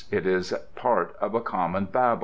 It is part of a common babel.